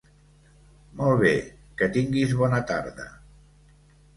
Molt bé, que tinguis bona tarda.